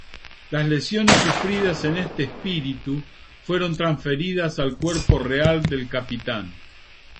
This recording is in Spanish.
Las lesiones sufridas en este espíritu fueron transferidas al cuerpo real del Capitán.